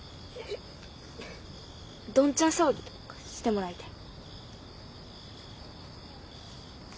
ドンチャン騒ぎとかしてもらいたい。